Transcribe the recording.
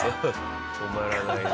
止まらないね。